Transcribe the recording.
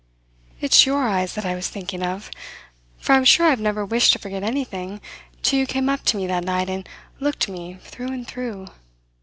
"It's your eyes that I was thinking of, for I'm sure I've never wished to forget anything till you came up to me that night and looked me through and through.